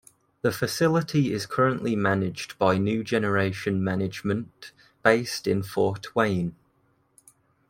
The facility is currently managed by New Generation Management based in Fort Wayne.